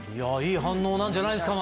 いい反応なんじゃないですか？